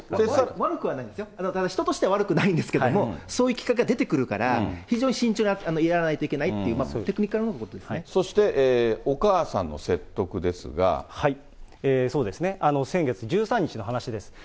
悪くはないんですよ、人としては悪くないんですけど、そういうきっかけが出てくるから、非常に慎重にやらないといけないそして、お母さんの説得ですそうですね、先月１３日の話です。